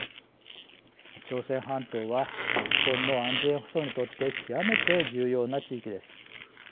朝鮮半島は日本の安全保障にとって極めて重要な地域です。